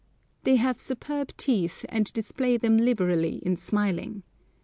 They have superb teeth, and display them liberally in smiling.